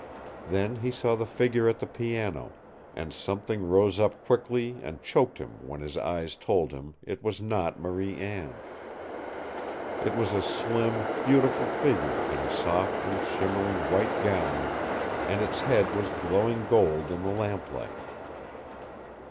Then he saw the figure at the piano, and something rose up quickly and choked him when his eyes told him it was not Marie Anne. It was a slim, beautiful figure in a soft and shimmering white gown, and its head was glowing gold in the lamplight.